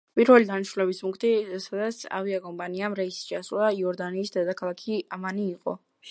პირველი დანიშნულების პუნქტი, სადაც ავიაკომპანიამ რეისი შეასრულა იორდანიის დედაქალაქი ამანი იყო.